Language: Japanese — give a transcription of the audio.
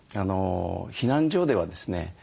避難所ではですね